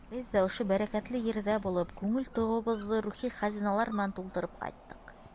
Беҙ ҙә ошо бәрәкәтле ерҙә булып, күңел тоғобоҙҙо рухи хазиналар менән тултырып ҡайттыҡ.